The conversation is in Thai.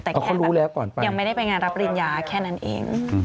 แต่แค่แบบยังไม่ได้ไปงานรับปริญญาแค่นั้นเอง